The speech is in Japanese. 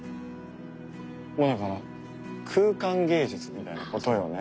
もうだから空間芸術みたいな事よね。